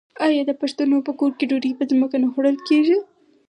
آیا د پښتنو په کور کې ډوډۍ په ځمکه نه خوړل کیږي؟